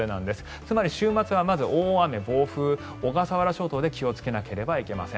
つまり、週末はまず大雨、暴風小笠原諸島で気をつけなければいけません。